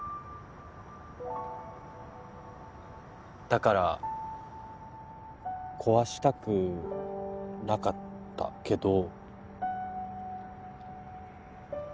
だから壊したくなかったけど。